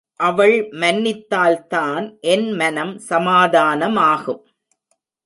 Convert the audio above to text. அவள் மன்னித்தால் தான் என் மனம் சமாதானம ஆகும்!